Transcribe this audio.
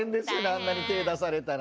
あんなに手出されたらね。